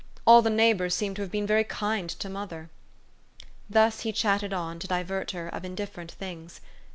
All the neighbors seem to have been very kind to mother." Thus he chat ted on, to divert her, of indifferent things.